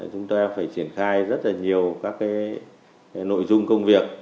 chúng tôi phải triển khai rất là nhiều các cái nội dung công việc